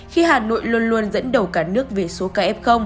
khi hà nội luôn luôn dẫn đầu cả nước về số ca f